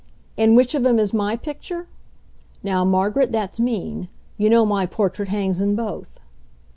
In which of 'em is my picture? Now, Margaret, that's mean. You know my portrait hangs in both.